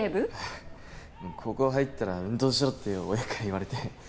高校入ったら運動しろって親から言われて。